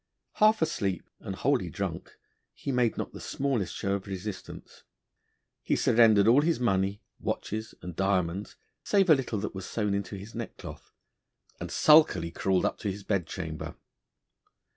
Half asleep, and wholly drunk, he made not he smallest show of resistance; he surrendered all his money, watches, and diamonds, save a little that was sewn into his neckcloth, and sulkily crawled up to his bed chamber.